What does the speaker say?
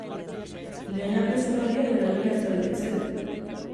Legeak gezurra dio edo legea ez da betetzen?